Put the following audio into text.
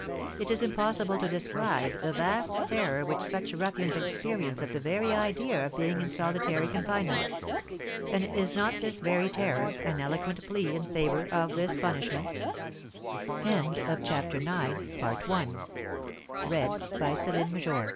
It is impossible to describe the vast terror which such ruffians experience at the very idea of being in solitary confinement. And is not this very terror an eloquent plea in favour of this punishment? An uproarious noise made by the prisoners